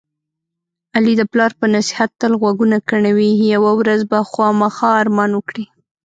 علي د پلار په نصیحت تل غوږونه کڼوي. یوه ورځ به خوامخا ارمان وکړي.